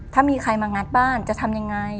ถ้ามีใครมางัดบ้านจะทำยังไง